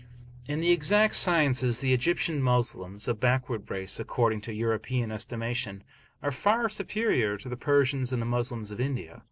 In the exact sciences, the Egyptian Moslems, a backward race according to European estimation, are far superior to the Persians and the Moslems of India.